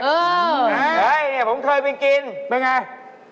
เออเฮ่ยนี่ผมเคยไปกินเป็นอย่างไร